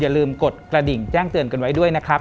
อย่าลืมกดกระดิ่งแจ้งเตือนกันไว้ด้วยนะครับ